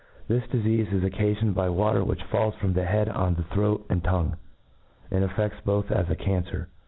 This dif^ eafc is occafioncd by water which falls from the head on the throat and tongue, and affeds both as a capcer.